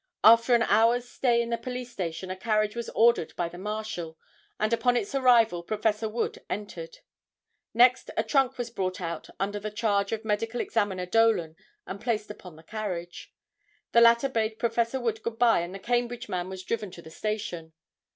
After an hour's stay in the Police Station a carriage was ordered by the Marshal, and, upon its arrival, Prof. Wood entered. Next a trunk was brought out under the charge of Medical Examiner Dolan and placed upon the carriage. The latter bade Prof. Wood good bye and the Cambridge man was driven to the station.